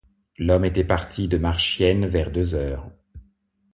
L'homme était parti de Marchiennes vers deux heures.